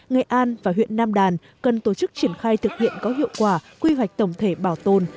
nghệ an và huyện nam đàn cần tổ chức triển khai thực hiện có hiệu quả quy hoạch tổng thể bảo tồn